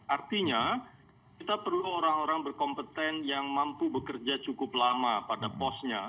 artinya kita perlu orang orang berkompeten yang mampu bekerja cukup lama pada posnya